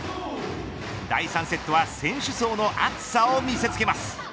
第３セットは選手層の厚さを見せつけます。